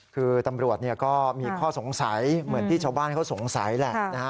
คือตำรวจก็มีข้อสงสัยเหมือนที่ชาวบ้านเขาสงสัยแหละนะฮะ